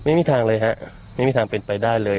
ไม่มีทางเลยฮะไม่มีทางเป็นไปได้เลย